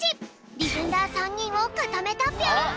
ディフェンダー３にんをかためたぴょん！